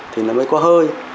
thì nó mới có hơi